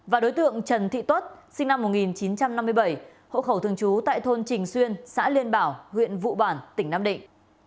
và đối tượng trần thị tuất sinh năm một nghìn chín trăm năm mươi bảy hộ khẩu thường trú tại thôn trình xuyên xã liên bảo huyện vụ bản tỉnh nam định